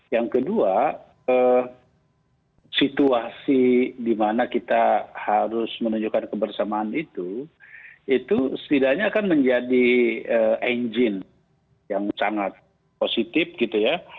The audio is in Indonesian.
yang kedua situasi di mana kita harus menunjukkan kebersamaan itu itu setidaknya akan menjadi engine yang sangat positif gitu ya